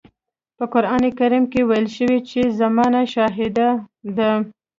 په قرآن کريم کې ويل شوي چې زمانه شاهده ده.